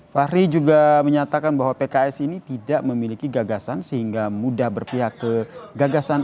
fahri juga menyatakan bahwa pks ini tidak memiliki gagasan sehingga mudah berpihak ke gagasan